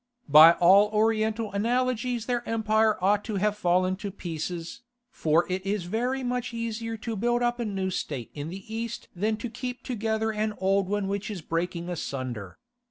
By all Oriental analogies their empire ought to have fallen to pieces, for it is very much easier to build up a new state in the East than to keep together an old one which is breaking asunder.